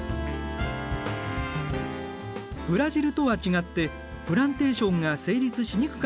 ブラジルとは違ってプランテーションが成立しにくかっ